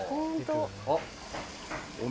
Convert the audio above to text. あっ。